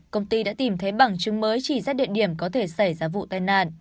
công ty đã tìm thấy bằng chứng mới chỉ ra địa điểm có thể xảy ra vụ tai nạn